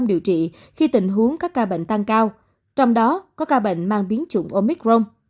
điều trị khi tình huống các ca bệnh tăng cao trong đó có ca bệnh mang biến chủng omicron